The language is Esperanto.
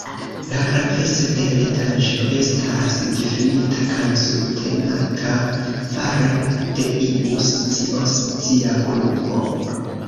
La graveco de heredaĵo estas difinita kaj subtenata fare de iu socio, socia grupo.